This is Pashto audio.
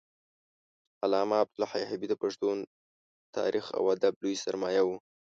علامه عبدالحی حبیبي د پښتون تاریخ او ادب لوی سرمایه و